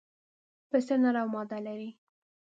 پسه نر او ماده لري.